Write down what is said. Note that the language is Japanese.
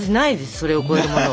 それを超えるものは。